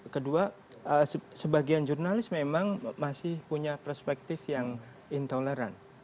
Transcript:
kedua sebagian jurnalis memang masih punya perspektif yang intoleran